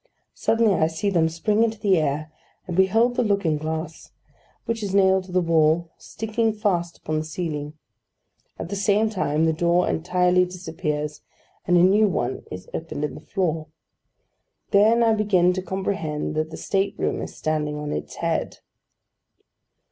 Suddenly I see them spring into the air, and behold the looking glass, which is nailed to the wall, sticking fast upon the ceiling. At the same time the door entirely disappears, and a new one is opened in the floor. Then I begin to comprehend that the state room is standing on its head.